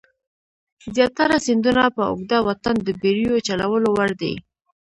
زیاتره سیندونه په اوږده واټن د بېړیو چلولو وړ دي.